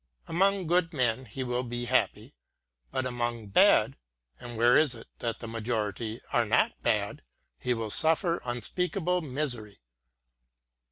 Among good men he will be happy; but among bad, — and where is it that the majority are not bad? — he will suffer unspeakable misery.